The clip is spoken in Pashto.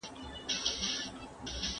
ښوونځی د ماشومانو د تخنیکي پوهې اساس جوړوي.